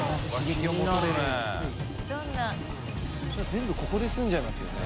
全部ここで済んじゃいますよね。